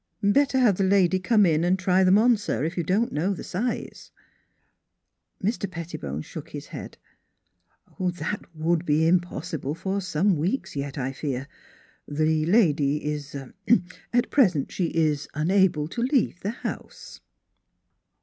" Better have the lady come in and try them on, sir, if you don't know the size." Mr. Pettibone shook his head. ' That would be impossible for some weeks yet, I fear. The lady is er at present she is unable to leave the house."